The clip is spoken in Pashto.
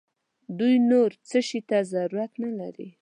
دوی نور هیڅ شي ته ضرورت نه لري.